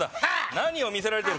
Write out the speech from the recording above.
何を見せられてる？